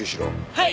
はい！